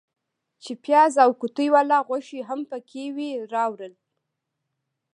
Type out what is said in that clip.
چې پیاز او قوطۍ والا غوښې هم پکې وې راوړل.